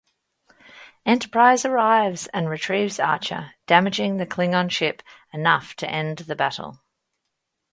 "Enterprise" arrives and retrieves Archer, damaging the Klingon ship enough to end the battle.